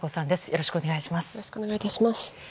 よろしくお願いします。